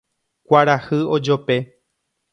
Kuarahy ojope